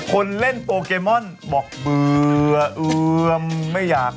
คนเล่นโปเกมอนบอกเบื่อเอือมไม่อยาก